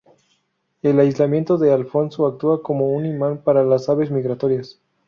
El aislamiento de Alfonso actúa como un imán para las aves migratorias.